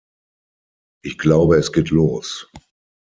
Ich glaube, es geht los.